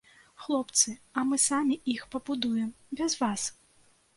Хлопцы, а мы самі іх пабудуем, без вас.